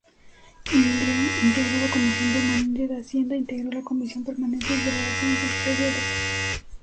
Integró la Comisión Permanente de Hacienda e integró la Comisión Permanente de Relaciones Exteriores.